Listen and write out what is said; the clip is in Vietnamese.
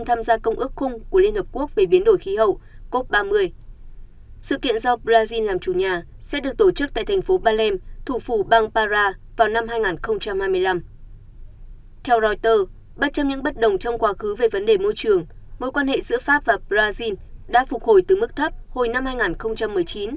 trong những bất đồng trong quá khứ về vấn đề môi trường mối quan hệ giữa pháp và brazil đã phục hồi từ mức thấp hồi năm hai nghìn một mươi chín